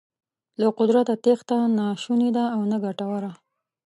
له قدرته تېښته نه شونې ده او نه ګټوره.